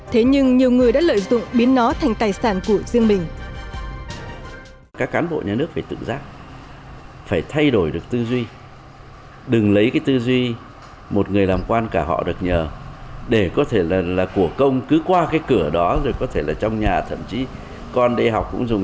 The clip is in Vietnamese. thế nhưng nhiều người đã lợi dụng biến nó thành tài sản của riêng mình